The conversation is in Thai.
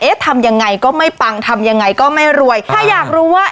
ทำยังไงก็ไม่ปังทำยังไงก็ไม่รวยถ้าอยากรู้ว่า